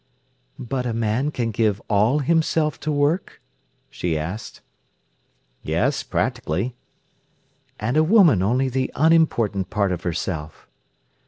"But a man can give all himself to work?" she asked. "Yes, practically." "And a woman only the unimportant part of herself?"